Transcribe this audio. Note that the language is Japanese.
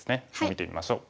見てみましょう。